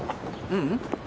ううん。